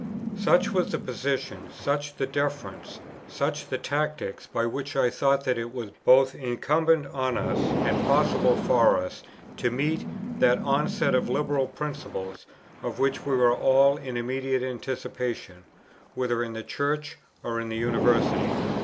Such was the position, such the defences, such the tactics, by which I thought that it was both incumbent on us, and possible for us, to meet that onset of Liberal principles, of which we were all in immediate anticipation, whether in the Church or in the University.